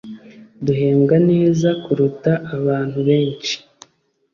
Duhembwa neza kuruta abantu benshi.